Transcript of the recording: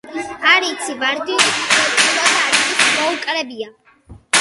“არ იცი, ვარდი უეკლოდ არავის მოუკრებიან!”